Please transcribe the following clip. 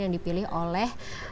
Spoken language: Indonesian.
yang dipilih oleh